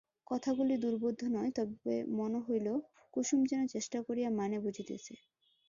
কথাগুলি দুর্বোধ্য নয়, তবু মনে হইল কুসুম যেন চেষ্টা করিয়া মানে বুঝিতেছে।